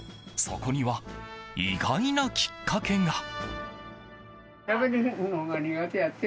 そこには意外なきっかけが。